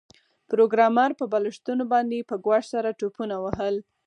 پروګرامر په بالښتونو باندې په ګواښ سره ټوپونه وهل